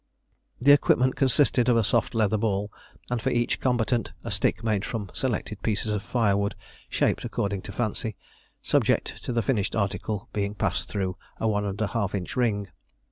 "] The equipment consisted of a soft leather ball, and for each combatant a stick made from selected pieces of firewood, shaped according to fancy, subject to the finished article being passed through a 1½ inch ring.